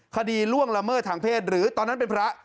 ล่วงละเมิดทางเพศหรือตอนนั้นเป็นพระ